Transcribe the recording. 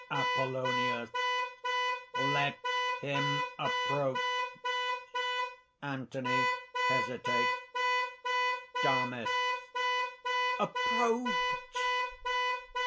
APOLLONIUS. "Let him approach!" (Anthony hesitates.) DAMIS. "Approach!"